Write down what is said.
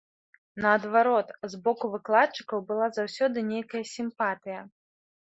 Наадварот, з боку выкладчыкаў была заўсёды нейкая сімпатыя.